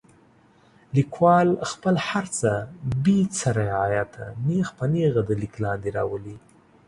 لیکوال خپل هر څه بې څه رعایته نیغ په نیغه د لیک لاندې راولي.